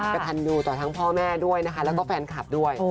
กระทันอยู่ต่อทั้งพ่อแม่ด้วยนะคะแล้วก็แฟนคลับด้วย